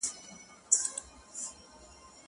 دا ئې گز، دا ئې ميدان.